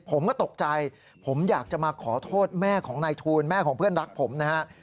ผมก็ตกใจผมอยากจะมาขอโทษแม่ของนายทูลแม่ของเพื่อนรักผมนะฮะ